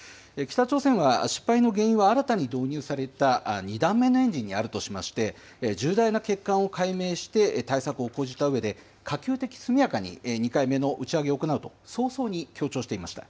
北朝鮮は失敗の原因は、新たに導入された２段目のエンジンにあるとしまして、重大な欠陥を解明して対策を講じたうえで、可及的速やかに２回目の打ち上げを行うと、早々に強調していました。